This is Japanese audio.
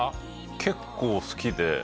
結構好きで。